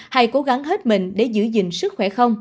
hay cố gắng hết mình để giữ gìn sức khỏe không